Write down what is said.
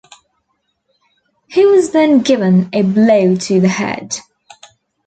He was then given a blow to the head.